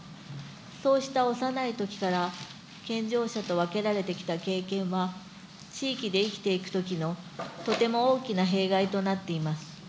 そうした幼いときから健常者と分けられてきた経験は、地域で生きていくときのとても大きな弊害となっています。